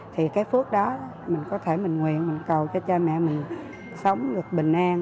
thì cái phước đó mình có thể mình nguyện mình cầu cho cha mẹ mình sống được bình an